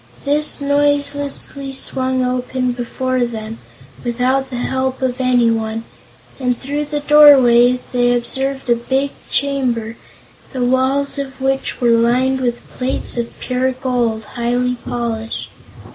This noiselessly swung open before them, without the help of anyone, and through the doorway they observed a big chamber, the walls of which were lined with plates of pure gold, highly polished.